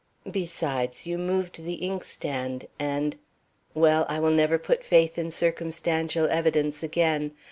Besides, you moved the inkstand, and Well, I will never put faith in circumstantial evidence again.